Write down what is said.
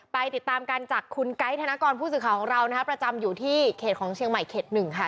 ไปติดตามกันจากคุณไกข์ธนกรผู้สื่อของเรานะครับ